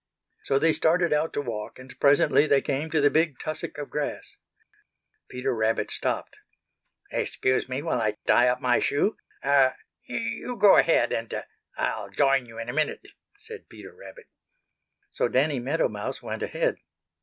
So they started out to walk and presently they came to the big tussock of grass. Peter Rabbit stopped. "Excuse me, while I tie up my shoe. You go ahead and I'll join you in a minute," said Peter Rabbit. So Danny Meadow Mouse went ahead.